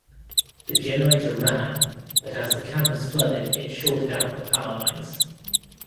The generator ran but as the campus flooded it shorted out the power lines.